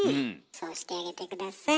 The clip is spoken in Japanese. そうしてあげて下さい。